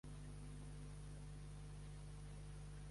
El seu sobrenom suec era "Walle".